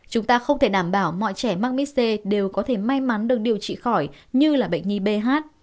chúng ta không thể đảm bảo mọi trẻ mắc mis c đều có thể may mắn được điều trị khỏi như là bệnh nhi b h